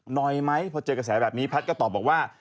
หน่อยไหมพอเจอกระแสแบบนี้แพทย์ก็ตอบบอกว่า